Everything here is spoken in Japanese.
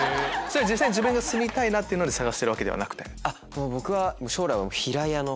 実際自分が住みたいっていうので探してるわけではなくて？